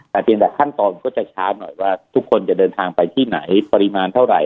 แต่เพียงแต่ขั้นตอนก็จะช้าหน่อยว่าทุกคนจะเดินทางไปที่ไหนปริมาณเท่าไหร่